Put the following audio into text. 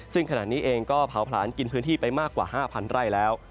ซึ่งขณะนี้เองก็เผาผลาญกินพื้นที่ไปมากกว่า๕๐๐ไร่แล้ว